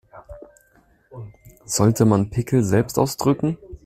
Sollte man Pickel selbst ausdrücken?